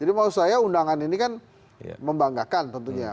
jadi menurut saya undangan ini kan membanggakan tentunya